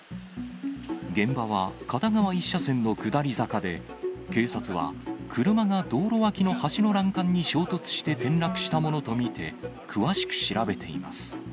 現場は、片側１車線の下り坂で、警察は、車が道路脇の橋の欄干に衝突して転落したものと見て、詳しく調べています。